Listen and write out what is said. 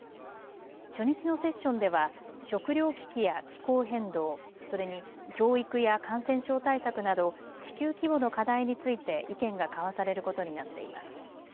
初日のセッションでは食料危機や気候変動、それに教育や感染症対策など地球規模の課題について意見が交わされることになっています。